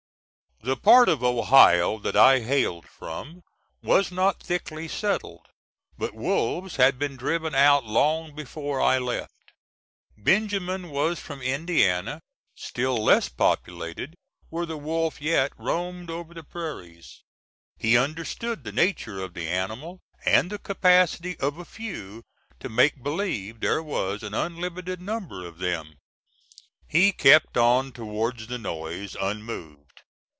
The part of Ohio that I hailed from was not thickly settled, but wolves had been driven out long before I left. Benjamin was from Indiana, still less populated, where the wolf yet roamed over the prairies. He understood the nature of the animal and the capacity of a few to make believe there was an unlimited number of them. He kept on towards the noise, unmoved.